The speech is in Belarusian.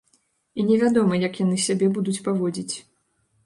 І невядома, як яны сябе будуць паводзіць.